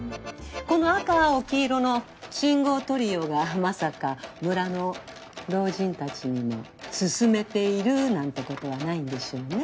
この赤青黄色の信号トリオがまさか村の老人たちにもすすめているなんてことはないんでしょうね？